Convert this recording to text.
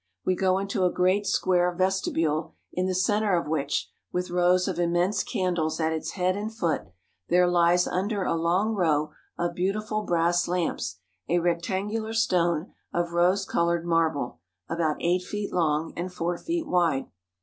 We go into a great square vestibule in the centre of which, with rows of immense candles at its head and foot, there lies under a long row of beautiful brass lamps a rectangular stone of rose coloured marble about eight feet long and four feet wide.